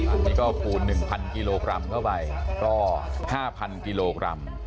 อันนี้ก็คูณ๑๐๐กิโลกรัมเข้าไปก็๕๐๐กิโลกรัม